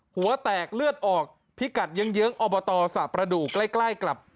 หัวแตกเลือดออกพิกัดเยื้องอบตสระประดูกใกล้กับ